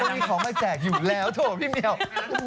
มีของมาแจกอยู่แล้วโถพี่เมียว